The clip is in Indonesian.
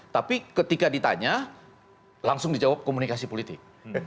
tapi ketika ditanya langsung dijawab komunikasi politik